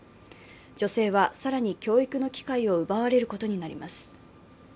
女性は更に教育の機会を奪われることになります。